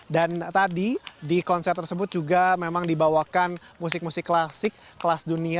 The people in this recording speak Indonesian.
dan tadi di konser tersebut juga memang dibawakan musik musik klasik kelas dunia